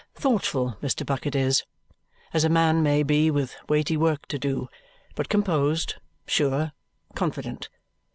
Thoughtful Mr. Bucket is, as a man may be with weighty work to do, but composed, sure, confident.